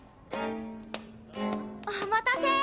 お待たせ。